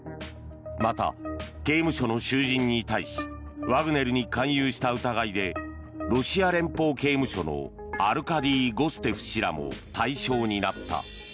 また、刑務所の囚人に対しワグネルに勧誘した疑いでロシア連邦刑務所のアルカディ・ゴステフ氏らも対象になった。